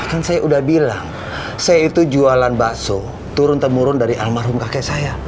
kan saya udah bilang saya itu jualan bakso turun temurun dari almarhum kakek saya